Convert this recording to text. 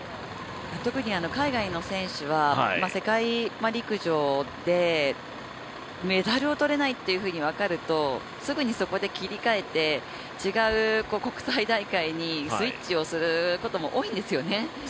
特に海外の選手は世界陸上でメダルを取れないと分かるとすぐにそこで切り替えて違う国際大会にスイッチをすることも多いんですよね。